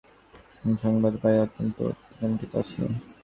বহুদিনাবধি তাঁহার শারীরিক ও রাজ্যবিষয়ক কোন সংবাদ না পাইয়া অত্যন্ত উৎকণ্ঠিত আছি।